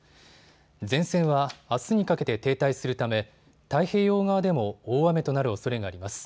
前線はあすにかけて停滞するため太平洋側でも大雨となるおそれがあります。